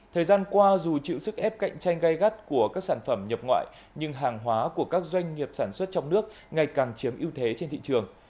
thời gian qua dù chịu sức ép cạnh tranh gây gắt của các sản phẩm nhập ngoại nhưng hàng hóa của các doanh nghiệp sản xuất trong nước ngày càng chiếm ưu thế trên thị trường